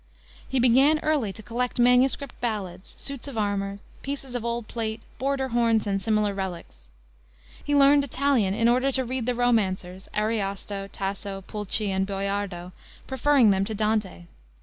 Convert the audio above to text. He began early to collect manuscript ballads, suits of armor, pieces of old plate, border horns, and similar relics. He learned Italian in order to read the romancers Ariosto, Tasso, Pulci, and Boiardo, preferring them to Dante.